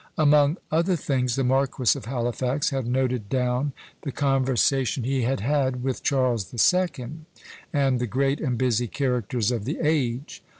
Among other things, the Marquis of Halifax had noted down the conversation he had had with Charles the Second, and the great and busy characters of the age.